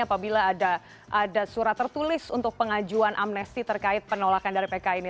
apabila ada surat tertulis untuk pengajuan amnesti terkait penolakan dari pk ini